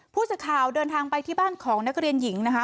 ผู้สื่อข่าวเดินทางไปที่บ้านของนักเรียนหญิงนะคะ